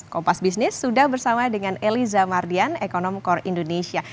kompas bisnis sudah bersama dengan eliza mardian ekonom kor indonesia